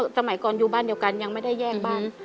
สมัยก่อนอยู่บ้านเดียวกันยังไม่ได้แยกบ้าน